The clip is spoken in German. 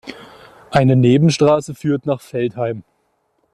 Eine Nebenstrasse führt nach Veltheim.